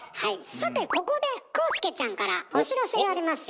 さてここで浩介ちゃんからお知らせがありますよ。